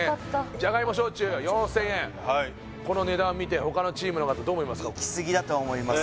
じゃがいも焼酎は４０００円この値段見て他のチームの方どう思いますか？